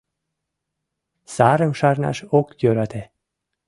Сарым шарнаш ок йӧрате.